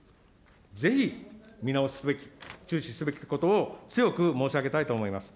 ぜひ見直すべき、中止すべきことを強く申し上げたいと思います。